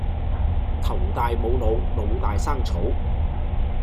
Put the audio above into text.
頭大冇腦，腦大生草